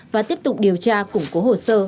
và tiếp tục điều tra củng cố hồ sơ